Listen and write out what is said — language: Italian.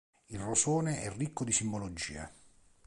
Il rosone è ricco di simbologie.